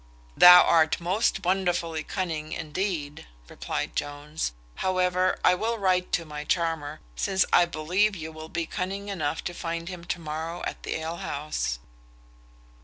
"Thou art most wonderfully cunning, indeed," replied Jones; "however, I will write to my charmer, since I believe you will be cunning enough to find him to morrow at the alehouse."